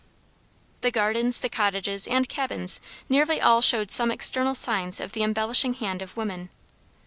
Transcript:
The gardens, the cottages, and cabins nearly all showed some external signs of the embellishing hand of woman.